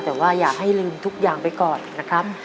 แต่ว่าอยากให้ลืมทุกอย่างไปก่อนนะครับ